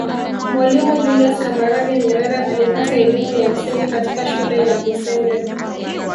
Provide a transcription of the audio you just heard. Mwalimu Julius Kambarage Nyerere alipata elimu ya msingi katika shule ya Mwisenge